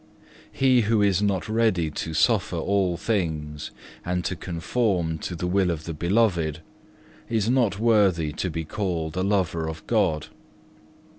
8. He who is not ready to suffer all things, and to conform to the will of the Beloved, is not worthy to be called a lover of God.